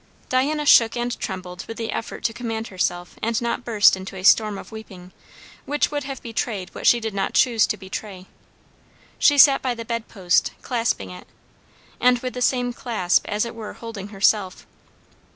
'" Diana shook and trembled with the effort to command herself and not burst into a storm of weeping, which would have betrayed what she did not choose to betray. She sat by the bedpost, clasping it, and with the same clasp as it were holding herself.